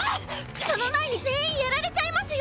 その前に全員やられちゃいますよ。